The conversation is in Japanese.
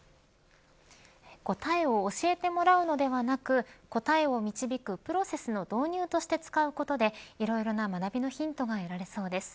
答えを教えてもらうのではなく答えを導くプロセスの導入として使うことでいろいろな学びのヒントが得られそうです。